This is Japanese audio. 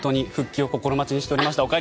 復帰を心待ちにしておりました。